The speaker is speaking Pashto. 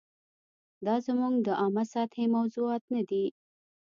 دا زموږ د عامه سطحې موضوعات نه دي.